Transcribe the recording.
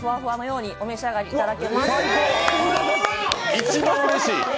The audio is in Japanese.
一番うれしい。